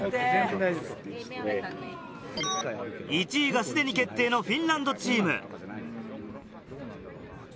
１位がすでに決定のフィンランドチーム。